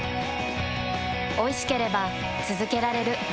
おいしければつづけられる。